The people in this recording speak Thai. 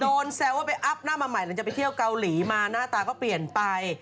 แซวว่าไปอัพหน้ามาใหม่หลังจากไปเที่ยวเกาหลีมาหน้าตาก็เปลี่ยนไป